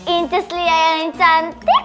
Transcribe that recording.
inces lia yang cantik